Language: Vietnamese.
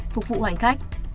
phục vụ hoàn khách